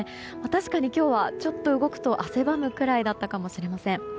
確かに今日はちょっと動くと汗ばむくらいだったかもしれません。